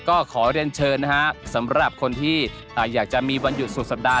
ก็ขอเรียนเชิญนะฮะสำหรับคนที่อยากจะมีวันหยุดสุดสัปดาห